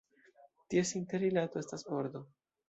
Ties interrilato estas ordo.